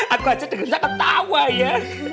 aku aja denger denger ketawa ya